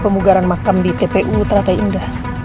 mau kemana mau pergi ya